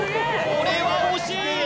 これは惜しい！